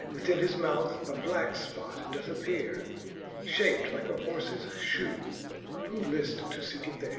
Within his mouth a black fpot doth appeare, Shapt like a horfes fhoe, who lift to feeke it there.